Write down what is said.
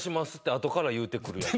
あとから言うてくるやつ。